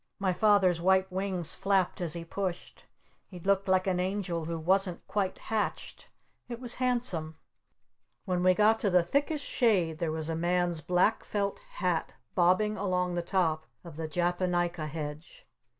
My Father's white wings flapped as he pushed! He looked like an angel who wasn't quite hatched! It was handsome! When we got to the thickest shade there was a man's black felt hat bobbing along the top of the Japonica Hedge.